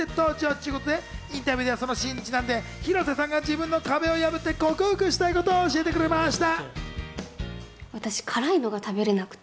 ちゅうことで、インタビューでは、そのシーンにちなんで広瀬さんが自分の壁を破って克服したいことを教えてくれました。